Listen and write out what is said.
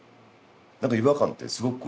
何か違和感ってすごく。